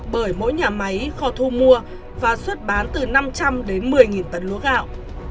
bởi mỗi nhà máy kho thu mua và xuất bán từ năm trăm linh đến một mươi tấn lúa gạo